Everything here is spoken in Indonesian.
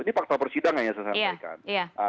ini fakta persidangan yang saya sampaikan